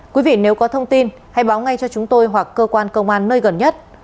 quý vị nếu có thông tin hãy báo ngay cho chúng tôi hoặc cơ quan công an nơi gần nhất